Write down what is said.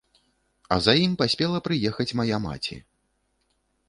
А за ім паспела прыехаць мая маці.